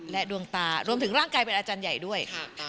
ดวงตารวมถึงร่างกายเป็นอาจารย์ใหญ่ด้วย